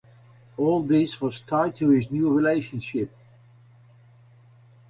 All this was tied to his new relationship.